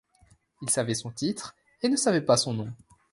Il savait son titre, et ne savait pas son nom.